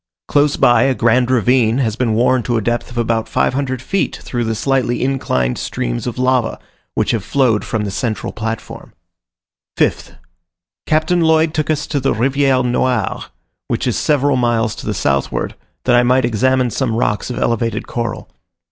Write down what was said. Close by, a grand ravine has been worn to a depth of about 500 feet through the slightly inclined streams of lava, which have flowed from the central platform. 5th. Captain Lloyd took us to the Riviere Noire, which is several miles to the southward, that I might examine some rocks of elevated coral.